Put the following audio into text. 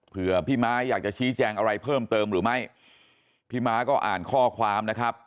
เพื่อพี่ม้าอยากจะชี้แจงอะไรเพิ่มเติมหรือไม่พี่ม้าก็อ่านข้อความนะครับ